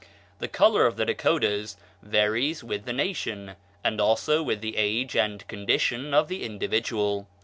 The color of the Dakotas varies with the nation, and also with the age and condition of the individual.